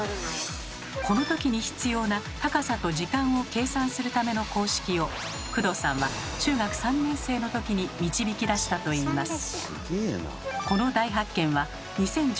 この時に必要な高さと時間を計算するための公式を工藤さんは中学３年生のときに導き出したといいます。